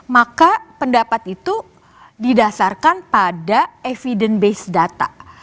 maka pendapat itu didasarkan pada evidence base data